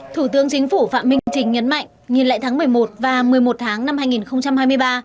thủ tướng chính phủ phạm minh trình nhấn mạnh nhìn lại tháng một mươi một và một mươi một tháng năm hai nghìn hai mươi ba